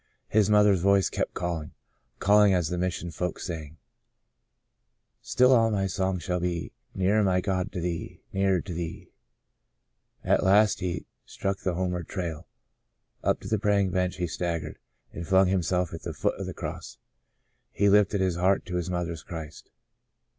His mother's voice kept calling — calling — as the Mission folks sang : The Blossoming Desert 147 " Still all my song shall be, Nearer my God to Thee — Nearer to Thee." At last he struck the homeward trail. Up to the praying bench he staggered, and flung himself at the foot of the Cross. He lifted his heart to his mother's Christ.